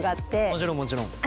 もちろんもちろん。